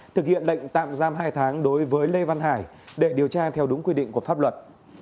thực hiện lệnh tạm giam hai tháng đối với lê văn hải để điều tra theo đúng quy định của pháp luật